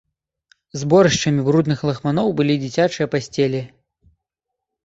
Зборышчамі брудных лахманоў былі дзіцячыя пасцелі.